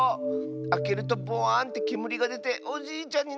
あけるとポワーンってけむりがでておじいちゃんになっちゃうよ。